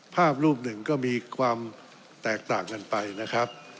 ภาพรูปหนึ่งก็มีความแตกต่างกันไปนะครับ